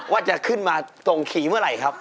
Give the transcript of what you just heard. ว่าจะขึ้นมาตรงขี่เมื่อไหร่ครับ